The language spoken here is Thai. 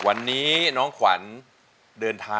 สวัสดีครับสวัสดีครับ